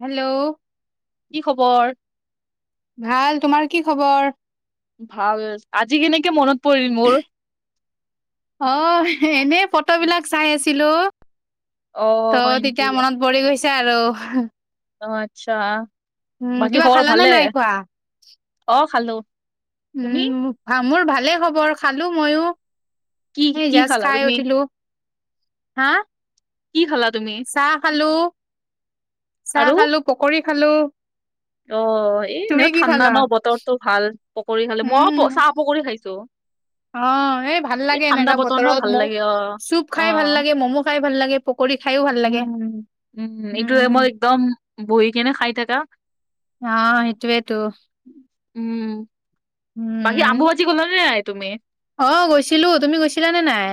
Hello কি খবৰ? ভাল, তোমাৰ কি খবৰ? ভাল। আজি কেনেকে মনত পৰিল মোৰ? অ এনে ফট বিলাক চাই আছিলো। ত অ' হয় নেকি? তেতিয়া মনত পৰি গৈছে আৰু। অ আচ্ছা, উম বাকী কিবা খবৰ খালানে ভালে? নাই খোৱা অ খালো। তুমি? উম মোৰ ভালে খবৰ, খালো মইয়ো। কি এ কি জাস্ত খালা খাই তুমি? উঠিলো। হা? কি খালা তুমি? চাহ খালো, চাহ আৰু? খালো, পকৰী খালো। অ এ তুমি এনেও কি ঠাণ্ডা খালা ন বতৰটো? ভাল পকৰি খালে। মই উম চাহ, পকৰি খাই অ, এই ভাল লাগে ঠাণ্ডা এনেকা বতৰ ন বতৰত। ভাল মূ লাগে চুপ খাই ভাল লাগে, মম' খাই ভাল লাগে। পকৰী খাইও ভাল লাগে উম-উম, উম এইটো উম, মই একদম বহি কেনে খাই থাকা অ, সেইটোৱেইটো। উম, বাকি আমবুবাজি গলা নে নাই তুমি? অ গৈছিলো, তুমি গৈছিলা নে নাই?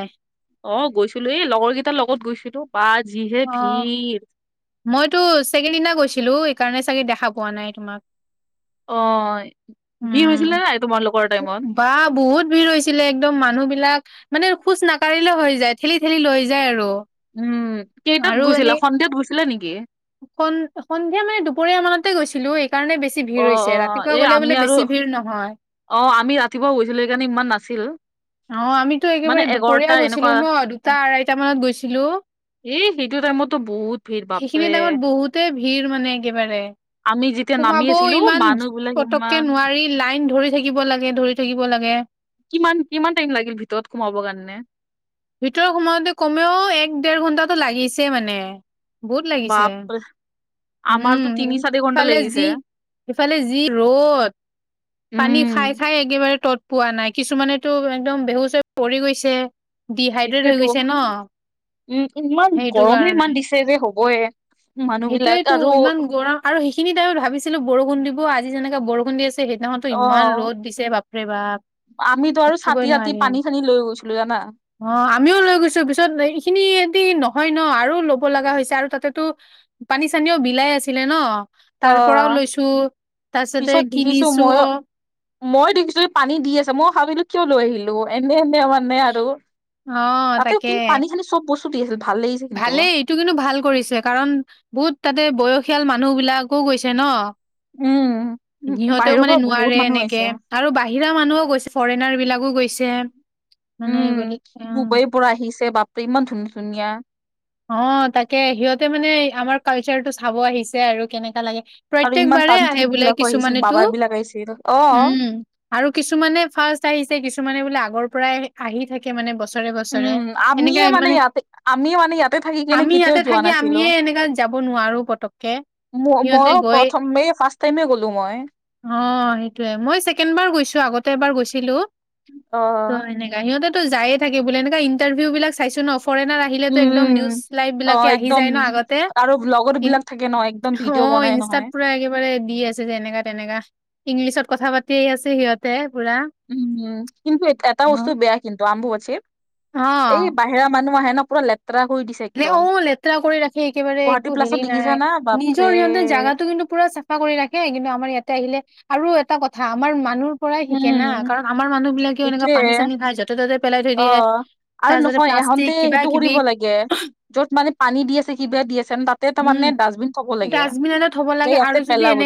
অ গৈছিলো। এই লগৰ কেইটাৰ লগত গৈছিলো, বা যিহে অ', ভিৰ। মইতো চেকেন দিনা গৈছিলো, সেইকাৰণে চাগে দেখা পোৱা নাই তোমাক। অ ভিৰ উম হৈছিলে নাই তোমালোকৰ টাইমত? বা বহুত ভিৰ হৈছিলে, একদম মানুহ বিলাক মানে খোজ নাকঢ়িলেও হৈ যায়, ঠেলি ঠেলি লৈ যায় আৰু। উম, কেইটাত গৈছিলা? সন্ধিয়াত গৈছিলা নেকি? সন-সন্ধিয়া মানে দুপৰীয়া মানতে গৈছিলো এই কাৰণে বেছি অ ভিৰ অ হৈছে, এ ৰাতিপুৱা গ'লে আমি বোলে আৰু বেছি ভিৰ নহয়। অ, আমি ৰাতিপুৱা গৈছিলো। সেইকাৰণে ইমান নাছিল। অ, আমিতো মানে একেবাৰে এঘাৰটা দুপৰীয়া এনেকুৱা গৈছিলো ন। দুটা, আঢ়ৈটা মানত গৈছিলো। এই সেইটো টাইমতটো বহুত ভিৰ সেইখিনি বাপৰে। টাইমত বহুতে ভিৰ মানে একেবাৰে আমি যেতিয়া নামি সোমাবও আছিলো ইমান মানুহ বিলাক পতককে ইমান নোৱাৰি। লাইন ধৰি থাকিব লাগে, ধৰি থাকিব লাগে। লাগে। কিমান, কিমান টাইম লাগিল ভিতৰত সোমাবৰ কাৰণে? ভিতৰৰ সোমাওঁতে কমেও এক, ডেৰ ঘন্টাটো লাগিছেই মানে। বহুত লাগিছে। বাপৰে উম, আমাৰতো তিনি চাৰি ঘন্টা ইফালে লাগিছে। যি ইফালে যি ৰ'দ। পানী খাই উম খাই একেবাৰে তত পোৱা নাই, কিছুমানেটো একদম বেহুচ হৈ পৰি গৈছে। ডিহাইড্ৰেট হৈ সেইটোয়েতো গৈছে ন? উম ইমান সেইটো গৰমে ইমান কাৰণে। দিছে যে হ'বয়ে। মানুহ বিলাক সেইটোৱেটো আৰু ইমান গৰম আৰু সেইখিনি টাইমত ভাবিছিলো বৰষুণ দিব, আজি যেনেকে বৰষুণ দি আছিল। সেইদিনাখনতো ইমান ৰ'দ দিছে বাপৰে বাপ। আমিটো আৰু থাকিবই চাতি-তাতি, নোৱাৰিম। পানী-চানি লৈ গৈছিলো জানা অ আমিও লৈ গৈছো, পিছত এইখিনি এটি ন হয় ন আৰু ল'ব লগা হৈছে আৰু। তাতেতো পানী-চানীও বিলাই আছিলে ন। ত তাৰ পৰাও লৈছো, তাৰপিছতে পিছত দেখিছো মই কিনিছোও। মই দেখিছো পানী দি আছে, মই ভাবিলো কিয় লৈ আহিলো। এনে সেয়া মানে আৰু অ', তাতেও তাকে কিন্তু পানী-চানি চব বস্তু দি আছিল ভাল লাগিছে কিন্তু ভালেই, এইটো কিন্তু ভাল কৰিছে। কাৰণ বহুত তাতে বয়সীয়াল মান মানুহ বিলাকো গৈছে ন? উম। উ সিহঁতেও বাহিৰৰ মানে পৰা বহুত নোৱাৰে মানুহ এনেকে আহিছে আৰু বাহিৰা মানুহো গৈছে, ফৰেনাৰ বিলাকো গৈছে। মানে উম বুলি অ', ডুবৈৰ পৰা আহিছে বাপ ইমান ধুনীয়া ধুনীয়া। অ তাকে সিহঁতে মানে আমাৰ কালচাৰটো চাব আহিছে আৰু কেনেকা লাগে। আৰু প্ৰত্যেক ইমান বাৰে আহে তান্ত্ৰিক বোলে বিলাকো আহিছিল কিছুমানেতো। বাবা বিলাক আহিছিল অ উম আৰু কিছুমানে ফাৰ্ষ্ট আহিছে, কিছুমানে বোলে আগ আগৰ পৰাই আহি থাকে মানে বছৰে বছৰে, উম আমিয়ে সেনেকাই মানে ইয়াতে আমি মানে ইয়াতে থাকি কিনে আমি কেতিয়াও ইয়াতে যোৱা থাকি নাছিলো আমিয়ে এনেকা যাব নোৱাৰো পতককে। ম মৌ সিহঁতে মই গৈ প্ৰথম মে ফাৰ্ষ টাইম গ'লো মই। অ সেইটোয়ে, মই ছেকেণ্ড বাৰ গৈছো, আগতে এবাৰ গৈছিলো। ত অ এনেকা সিহঁতেতো যায়ে থাকে বোলে, এনেকা ইন্টাৰভিউ বিলাক চাইছো ন। ফৰেনাৰ আহিলে টো উম, একদম উম, নিউজ লাইভ অ, আহি একদম জাই ন আগতে, আৰু ব্লগৰ কিন, বিলাক থাকে ন একদম অহ। অ ভিডিঅ' বনাই ইনষ্টাত নহয়। পুৰা একেবাৰে দি আছে যেনেকা তেনেকা ইংলিছত কথা পাতিয়ে আছে সিহঁতে। পুৰা। উমম কিন্তু এটা বস্তু অ', বেয়া কিন্তু অম্বুবাচীত, এই বাহিৰা মানুহ আহে পুৰা লেত এ লেতেৰা কৰি ৰাখে একেবাৰে গুৱাহাটী একো হেৰি প্লাছত দেখিছা নাই না বাপৰে নিজৰ সিহঁতে জাগাটো কিন্তু পুৰা চাফ চাফা কৰি ৰাখে কিন্তু আমাৰ ইয়াতে আহিলে আৰু এটা কথা আমাৰ মানুহ পৰাই শিকে না উম, কাৰণ আমাৰ মানুহ বিলাকেও এনেকুৱা সেইটোয়ে পানী চানী খাই যতে ত'তে পেলাই থৈ অ, দিয়ে আৰু তাৰপিছতে নহয় এহঁতে প্লাষ্টিক কিবা সেইটো কিবি কৰিব লাগে য'ত মানে পানী দি আছে কিবা দি আছে তাতে তাৰ মানে উম, ডাষ্টবিন থব লাগে যে সিহতে পেলাবলে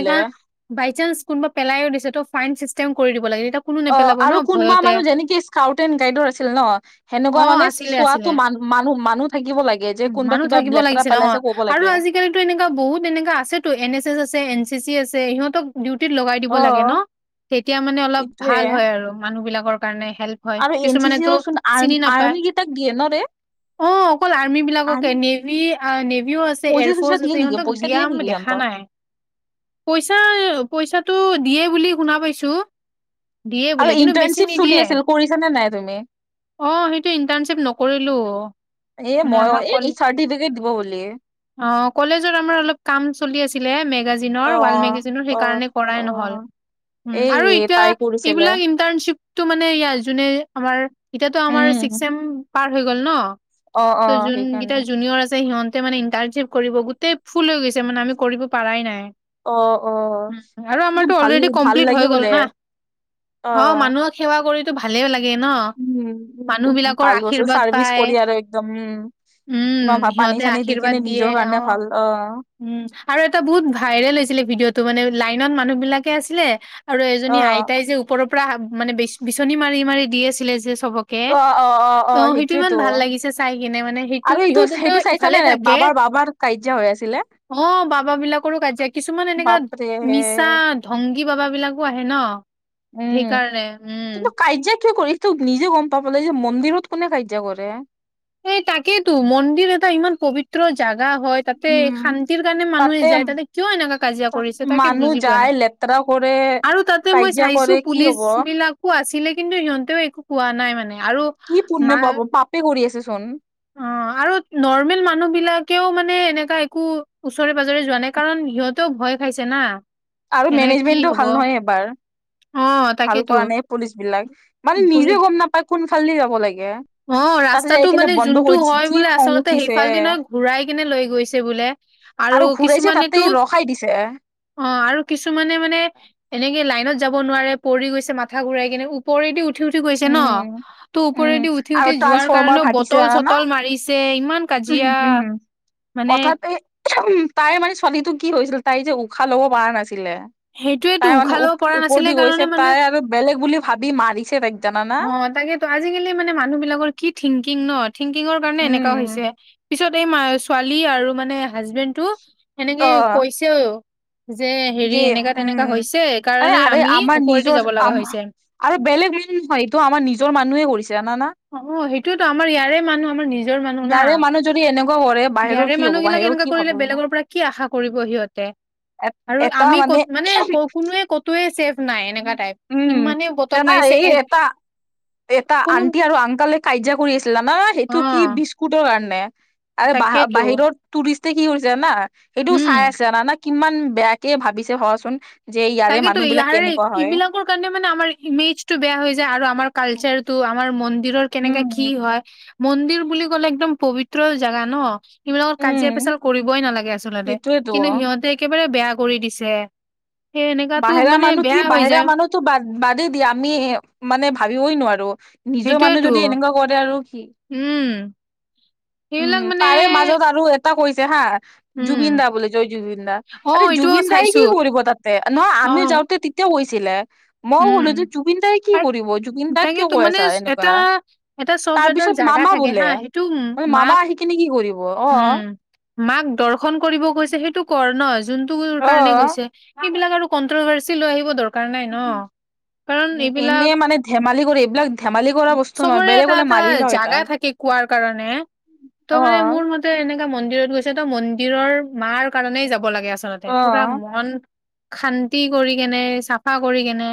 বাইচানস কোনোবা পেলাইও দিছে ত ফাইন চিষ্টেম কৰি দিব লাগে, তেতিয়া কোনো অ নেপেলাব আৰু ন' কোনবা ভয়তে। মানুহ যেনেকে স্কাউট এণ্ড গাইডৰ আছিল ন সেনেকুৱা অ', মানে আছিলে আছিলে। চোৱাটো মান মানুহ মানুহ থাকিব লাগে যে কোনোবা মানুহ কিবা থাকিব লেতেৰা লাগিছিলে অ পেলাইছে ক'ব আৰু লাগে আজিকালিতো এনেকুৱা বহুত এনেকা আছেতো এন এছ এছ আছে এন চি চি আছে ইহঁতক ডিউতিত লগাই দিব অ লাগে ন তেতিয়া মানে অলপ সেইটোয়ে ভাল হয় আৰু মানুহবিলাক কাৰণে হেল্প হয় আৰু এন চি চিৰ কিছুমানেতো চোন আৰ চিনি নাপায় আৰ্মি কেইটাক দিয়ে ন ৰে অ অকল আৰ্মি বিলাককে আৰ্মি নেভি নেভিও আছে পইচা চইচা এনফৰ্চ দিয়ে আছে নেকি সিহঁতক পইচা দিয়া দিয়ে মই নেকি দেখা সিহঁতক নাই পইচা পইচা টো দিয়ে বুলি শুনা পাইছো দিয়ে বোলে আৰু কিন্তু বেছি ইন্টাৰ্ণশ্বিপ চলি নিদিয়ে। আছিল কৰিছা নে নাই তুমি অ সেইটো ইণ্টাৰ্ণশ্বিপ ন কৰিলো এ মানে মই আমাৰ এই চাৰ্টিফিকেট দিব বুলি কল--অ কলেজত আমাৰ অলপ কাম চলি আছিলে নে মেগাজিনৰ অ ৱাল মেগাজিনৰ অ সেইকাৰণে কৰাই অ নহল উম এই আৰু এতিয়া তাই কৰিছিলে এইবিলাক ইন্টাৰ্ণশ্বিপটো মানে ইয়া যোনে আমাৰ এতিয়াতো আমাৰ উম চিস্কচেম পাৰ হৈ গল ন অ অ যোনকেইতা সেইকাৰণে জুনিয়ৰ আছে সিহঁতে মানে ইণ্টানৰ্শিপ কৰিব গোটেই ফুল হৈ গৈছে মানে আমি কৰিব পাৰাই নাই অ অ উম আৰু কিন্তু আমাৰতো ভাল অলৰেডি ভাল কমপ্লিট হৈ লাগে গল বোলে না অ মানুহক সেৱা কৰিতো ভালে লাগে ন উম মানুহ উ বিলাকৰ ভাল আছ আশীৰ্বাদ চাৰ্ভিচ পায় কৰি আৰু একদম উম উম ইমান ভাল পানী সিহঁতে চানী দি আশীৰ্বাদ কেনে দিয়ে নিজৰ কাৰণে ভাল অ উম আৰু এটা বহুত ভাইৰেল হৈছিলে ভিডিঅ'টো মানে লাইনত মানুহ বিলাকে আছিলে আৰু এজনী অ', আইতাই যে ওপৰৰ পৰা মানে বিচনী মাৰি মাৰি দি আছিলে যে চবকে অ সেইটো ইমান ভাল লাগিছে চা কিনে মানে সেইটো আৰু এইটো ইহঁতেতো সেইটো ইফালে চাইছানে নাই থাকে বাবাৰ বাবাৰ কাজিয়া হৈ আছিলে অ বাবাবিলাকৰো কাজিয়া কিছুমান এনেকা বাপৰে মিছা ধংগী বাবা বিলাকো আহে ন উম সেইকাৰণে উম। কিন্তু কাজিয়া কিয় কৰি ত নিজে গম পাব লাগে যে মন্দিৰত কোনে কাইজায়া কৰে এই তাকেইতো মন্দিৰ এটা ইমান পবিত্ৰ জাগা জাগা হয় তাতে উম, শান্তিৰ কাৰণে মানুহে যায় তাতে কিয় এনেকা কাজিয়া কৰিছে তাকে মানুহ বুজি পোৱা যায় নাই লেতেৰা কৰে আৰু তাতে মই কাজিয়া চাইছো কৰে কি পুলিচ হ'ব বিলাকো আছিলে কিন্তু সিহঁতেও একো কোৱা নাই মানে আৰু কি পুণ্য মা পাপ পাপে কৰি আছে চোন অ আৰু নৰ্মেল মানুহ বিলাকেও মানে এনে কোৱা ওচৰে পাজৰে যোৱা নাই কাৰণ সিহঁতেও ভয় খাইছে না। আৰু সেনেকে কি মেনেজমেণ্টটো হব ভাল নহয় এবাৰ। অ ভাল তাকেতো কৰা নাই পুলিচ বিলাক মানে পুলিচ নিজে গম নাপায় কোনফালদি যাব লাগে। অ তাতে যাই ৰাস্তাটো কিনে মানে বন্ধ যোনটো কৰি দিছে হয় যি বোলে খং আচলতে উঠিছে সেইফাল দি নহয় ঘূৰাই কেনে লৈ গৈছে বোলে। আৰু ঘূৰাইছে কিছুমানেতো তাতেই ৰখাই দিছে অ। আৰু কিছুমানে মানে এনেকে লাইনত যাব নোৱাৰে পৰি গৈছে মাথা ঘুৰাই কিনে ওপৰেদি। উঠি উঠি গৈছে ন উম তো উম ওপৰেদি উঠ। আৰু ট্ৰা্সফৰ্মাৰ ফাটিছে জানা না। মাৰিছে ইমান কাজিয়া মানে কথাতে তাইৰ মানে ছোৱালীটো কি হৈছিল তাই যে উশাহ লব পৰা নাছিল। লে সেইটোয়েতো তাই মানে উশাহ ল'ব পৰা ওপৰ নাছিলে দি গৈছে কাৰণে মানে তাই আৰু বেলেগ বুলি ভাবি মাৰিছে তাই। অ তাকেতেতো আজিকালি মানে মানুহ বিলাকৰ কি থিংকিং ন থিংকিঙৰ কাৰণে এনেকুৱা উম হৈছে। পিছত এই ছোৱালী আৰু মানে হাজবেণ্ডটো অ এনেকে কৈছেও। যে হেৰি যে এনেকা তেনেকা উম হৈছে অ কাৰণে আ আমি আমাৰ ওপৰেদি নিজৰ যাব লগা আম। হৈছে আৰু বেলেগ মান নহয় এইটো আাৰ নিজৰ মানুহে কৰিছে। জানানা অ' সেইটোওতো আমাৰ ইয়াৰে মানুহ আমাৰ নিজৰ। ইয়াৰে যদি এনেকুৱা কৰে মানুহ বাহিৰৰ গাৰে কি হ'ব মানুহ বিলাক বাহিৰৰ এনেকুৱা কি কৰিলে ভাবো বেলেগৰ পৰা কি আশা কৰিব সিহঁতে। এ আৰু এটা আমি কত মানে ক কোনোৱে ক'তোৱে ছেফ। নাই এনেকা টাইপ। উম, ইমানে বটল দাদা মাৰিছে এই এ এটা, এটা কোনো আনটি। আৰু আংকলে কাজিয়া কৰি আছিলো না সেইটো কি অ', বিস্কুটৰ কাৰণে। আ ব তাকেইতো বাহিৰত টুৰিষ্টে কি কৰিছোনা সেইটোও উম। চাই আছে জানানা। কিমান বেয়াকে ভাবিছে হচোন যে ইয়াৰে মানুহ বিলিলাক। আৰু এইবিলাকৰ কাৰণে মানে আমাৰ ইমেজ টো বেয়া হৈ যায়, আৰু আমাৰ কালচাৰ টো আমাৰ মন। মন্দিৰৰ কেনেকাে কি উম হয় মন্দিৰ বুলি কলে একদম পবিত্ৰ জোগা ন? সেইবিলাকত উম কাজিয়া পেচাল কৰিবই নালাগে আচলতে সেইটোয়েতো কিন্তু সিহঁতে। একেবাৰে বেয়া কৰি দিছে। সেই এনেকাতো বাহিৰা মানে মানুহ বেয়া কি হৈ বাহৰা যায়। মানুহতো বাদ বাদেই দিয়ে আমি মানে ভাবিবই নোৱাৰো। নিজৰ মানুহ সেইটোয়েতো, যদি এনেকুৱা কৰে আৰু কি? উম, উম, সেইবিলাক মানে তাৰে মাজত আৰু। কৈছে হা উম, জুবিন দা বুলি জয় জুবিন দা আ অ', এইটোও জুবিন দাই চাইছো। কি কৰিব তাত? নহয় আমি অ', যাওঁতে তেতিয়া কৈছিলে। মই উম, ক'লো যে জুবিনদাই কি আৰু কৰিব জুবিন দাক কিয় তাকেতো কৈ মানে আছা এটা এনেকুৱা? এটা চব তাৰ এটা পিছত। জাগা মামা থাকে হা, বোলে সেইটো ম মামা মাক আহি কিনি কি কৰিব উম, অ'। মাক দৰ্শন কৰিব কৈছে সেইটো কৰ ন। যোনটো অ কাৰণে গৈছে সেইবিলাক আৰু কন্ট্ৰভাৰ্চি লৈ আহিব দৰকাৰ নাই ন? কাৰণ উ, এইবিলাক এনেই মানে ধেমালি কৰি এইবিলাক ধেমালি কৰা বস্তু নহয় চবৰে এটা বেলেগলে এটা মাৰি লয় জাগা তাই। থাকে কোৱাৰ কাৰণে তো মানে মোৰ মতে। তেনেকা মন্দিৰত গৈছে তো, মন্দিৰৰ মাৰ কাৰনেই যাব লাগে আচলতে। অ পুৰা মন শান্তি কৰি কেনে, চাফা কৰি কেনে,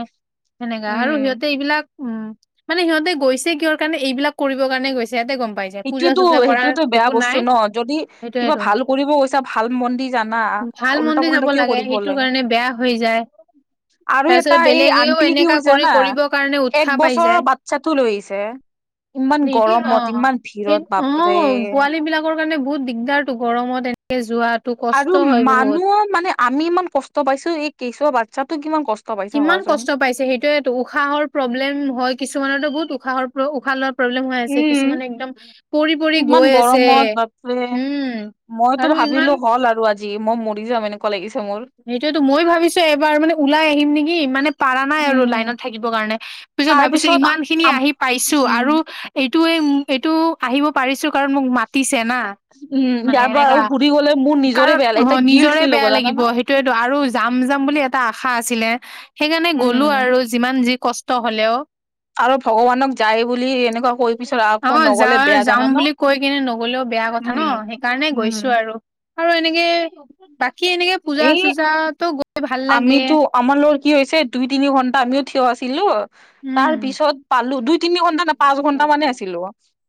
সেনেকা আৰু উম সিহঁতে এইবিলাক। উম, মানে সিহঁতে গৈছে কিহৰ কাৰণে এইবিলাক কৰিবৰ কাৰণে গৈছে। ইয়াতে গম পাই যায় পূজা সেইটোয়েতো, চূজা কৰাৰ সেইটোয়েতো বেয়া একো বস্তু নাই ন যদি কিবা সেইটোয়েতো ভাল কৰিব গৈছা ভাল মন্দিৰ। জানা ভাল মন্দিৰ উল্টা-পুল্টা যাব কিয়ও কৰিব সেইটো লাগে। কাৰণে বেয়া হৈ যায় আৰু তাৰ পিছত এটা এই বেলেগেও আন্টি কি এনেকা কৰি উছানা কৰিবৰ কাৰণে এক উৎসাহ পাই বছৰৰ যায় বাচ্ছাতো লৈ আহিছে। ইমান সেই- অ গৰমত ইমান ভিৰ। সেই অ'পোৱালী বিলাকৰ কাৰণে বহুত দিগদাৰতো গৰমত এনেকে যোৱাত। আৰু মানুহৰ মানে আমি ইমান কষ্ট পাইছো এই কেচুৱা বাচ্ছাতোক কিমান কষ্ট। পাইছে কিমান ভাবাচোন কষ্ট পাইছে, সেইটোয়ে তো, উশাহৰ প্ৰব্লেম হয়, কিছুমানতো বহুত উশাহৰ উশাহত। প্ৰব্লেম হৈ আছে, উম কিছুমানে একদম পৰি পৰি ইমান গৈ আছে। গৰমত বাপৰে উম, মইতো আৰু ইমান ভাবিলো হ'ল আৰু আজি, মই মৰি যাম এনেক সেইটোয়েতো মই ভাবিছো এবাৰ মানে ওলাই আহিম নেকি মানে। পৰা নাই আৰু উম লাইনত থাকিব কাৰণে। পিছত ভাবিছো তাৰপিছত ইমান খিনি আম আহি পাইছো উম আৰু এই। এইয়ে এইটো আহিব পাৰিছো কাৰণ মোক মাতিছি ছেনা উম মানে ইয়াৰ পৰা এনেকা আৰু ঘূৰি গ'লে মোৰ নিজৰে আৰু বেয়া লাগে স এতিয়া গিল্ট নিজৰে ফিল হ'ব বেয়া জানা লাগিব না এইটোৱেটো আৰু যাম যাম বুলি এটা আশা আছিলে সেইকাৰণে গ'লো উম আৰু যিমান যি কষ্ট হ'লেও আৰু ভগৱানক যায় বুলি এনেকুৱা কৈ পিছত আকৌ অ' যা নগলে বেয়া যাম জানা ন বুলি কৈ কিনে নগলে বেয়া কথা ন? উম সেইকাৰণে গৈছো উম আৰু। আৰু এনেকে বাকী এনেকে এই পূজা-চূজাত আমিতো আমাৰ লগৰ কি হৈছে দুই তিনি-ঘন্টা আমিও থিয় আছিলো। তাৰ উম পিছত পালো দুই তিনি ঘন্টা নে পাঁচ ঘন্টা মানে আছিলো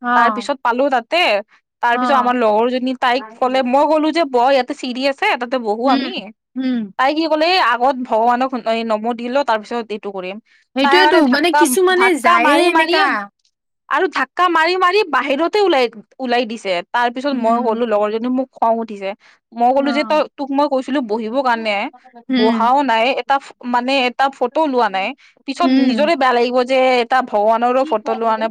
অ তাৰ পিছত পালো তাত। তে তাৰ অ পিছত আমাৰ লগৰজনী তাইক ক'লে মই ক'লো যে ব ইয়াতে চিৰিয়াছ আছে তাতে বহু উম আমি। উম তাই কি লে আগত ভগৱানক নমো দিলো তাৰ পিছত এইটো কৰিম। তাই সেইটোয়েতো মানে ধাক্কা, কিছুমানে ধাক্কা যায়ে মাৰি-মাৰিয়ে এনেকা আৰু ধাক্কা মাৰি-মাৰি বাহিৰতেই ওলাই-ওলাই দিছে তাৰ পিছত মই উম কলো লগৰজনী মোক খং উঠিছে মই অ কলো যে তই তোক মই কৈছিলো বহিবৰ কাৰণে উম বহাও নাই এটা মানে এটা ফটো ওলোৱা নাই পিছত উম নিজৰে বেয়া লাগিব যে এটা ভগৱানৰো ফটো লোৱা নাই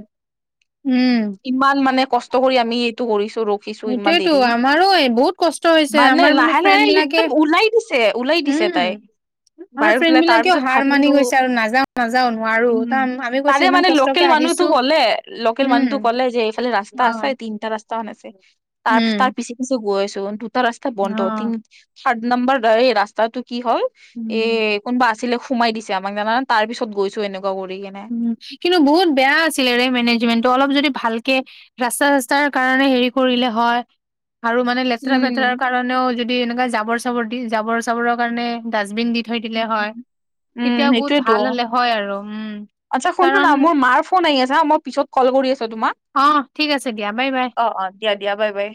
উম ইমান মানে কষ্ট কৰি আমি এইটো কৰিছো ৰখিছো ইমান সেইটোয়েতো দেৰি আমাৰো বহুত কষ্ট হৈছে মানে আমাৰ লাহে-লাহে ফ্ৰেণ্ড বিলাকে একদম ওলাই দিছে ওলাই দিছে তাই উম আমাৰ বাহিৰত ফ্ৰেণ্ড ওলাই তাৰ বিলাকেও পিছত হাৰ মানি ভাবিলো গৈছে আৰু নাযাও নাযাও নোৱাৰো উম তাম আমি কৈছো তাৰে ইমান মানে কষ্টকে লোকেল মানুহ আহিছো ক'লে লোকেল উম মানুহটো ক'লে যে এইফালে ৰাস্তা অ আছে তিনিটা ৰাস্তাও আছে তাৰ পিছত তাৰ উম পিছে-পিছে গৈ আছো দুটা ৰাস্তা অ বন্ধ তিনি থাৰ্ড নম্বৰ এই ৰাস্তাটো কি হল এ উম কোনোবা আছিলে সোমাই দিছে আমাক জানে তাৰ পিছত গৈছো এনেকুৱা কৰি কেনে উম কিন্তু বহুত বেয়া আছিলে ৰে মেনেজমেন্টটো অলপ যদি ভাল ৰাস্তা-চাস্তাৰ কাৰণে হেৰি কৰিলে হয় আৰু মানে লেতেৰা-ফেতেৰাৰ উম কাৰণেও যদি এনেকা জাবৰ-চাবৰ দি জাবৰ-চাবৰৰ কাৰণে ডাচ- বিন থৈ দিলে হয় উম উম তেতিয়া বহুত সেইটোয়েতো ভাল হ'লে হয় আৰু উম আচ্ছা শুন কাৰণ না মাৰ ফোন আহি আছে হা মই পিছত কল কৰি আছোঁ। তোমাক অ ঠিক আছে দিয়া বাই বাই অ-অ দিয়া-দিয়া বাই-বাই